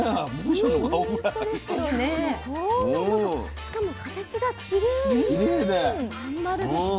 しかも形がきれいに真ん丸ですね。